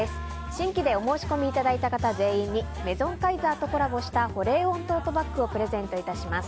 新規でお申し込みいただいた方全員にメゾンカイザーとコラボした保冷温トートバッグをプレゼントいたします。